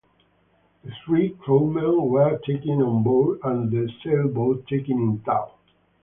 The three crewmen were taken on board and the sailboat taken in tow.